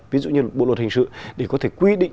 ví dụ như bộ luật hình sự để có thể quy định